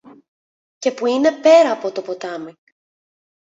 και που είναι πέρα από το ποτάμι.